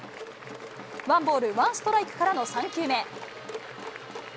ワンボールワンストライクからの３球目。